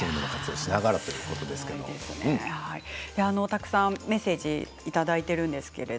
たくさんメッセージいただいています。